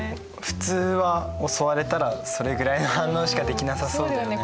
普通は襲われたらそれぐらいの反応しかできなさそうだよね。